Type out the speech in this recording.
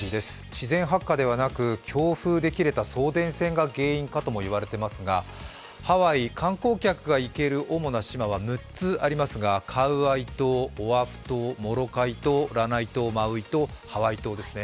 自然発火ではなく強風で切れた送電線が原因かとも言われていますが、ハワイ、観光客が行ける主な島は６つありますがカウアイ島、オアフ島、モロカイ島、ラナイ島、マウイ島、ハワイ島ですね。